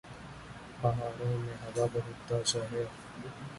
پہاڑوں میں ہوا بہت تازہ ہے۔